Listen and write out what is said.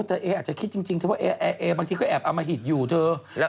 แต่เออาจจะคิดจริงเธอว่าเอบางทีก็แอบอมหิตอยู่เธอ